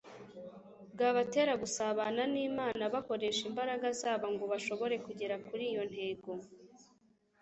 bwabatera gusabana n'Imana; bakoresha imbaraga zabo ngo bashobore kugera kuri iyo ntego,